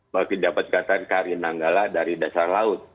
makin dapat dikatakan kri nanggala dari dasar laut